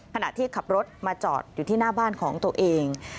ขณะที่ขับรถมาจอดอยู่ที่หน้าบ้านของตัวเอง